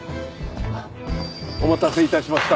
お待たせ致しました。